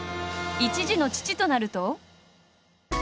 １児の父となると。